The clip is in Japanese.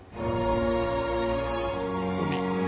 海。